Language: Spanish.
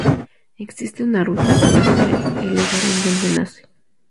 Existe una ruta que va hasta el lugar en donde nace.